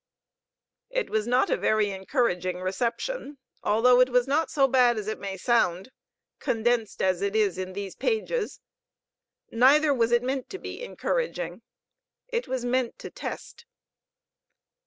It was not a very encouraging reception, although it was not so bad as it may sound, condensed as it is in these pages. Neither was it meant to be encouraging. It was meant to test.